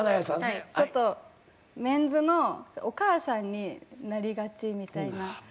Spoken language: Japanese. ちょっとメンズのお母さんになりがちみたいな。